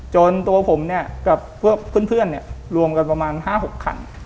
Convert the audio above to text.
ตัวผมเนี่ยกับพวกเพื่อนเนี่ยรวมกันประมาณ๕๖คัน